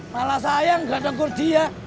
malah sayang gak denger dia